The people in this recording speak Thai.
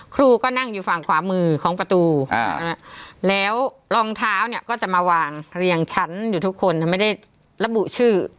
ครูก็นั่งอยู่ฝั่งขวามือของประตูแล้วรองเท้าเนี่ยก็จะมาวางเรียงชั้นอยู่ทุกคนไม่ได้ระบุชื่อ